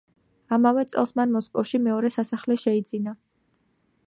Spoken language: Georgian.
ამავე წელს მან მოსკოვში მეორე სასახლე შეიძინა.